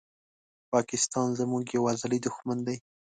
پاکستان زموږ یو ازلې دښمن دي